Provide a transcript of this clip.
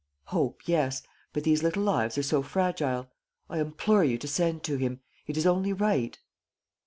"Hope, yes; but these little lives are so fragile. I implore you to send to him. It is only right."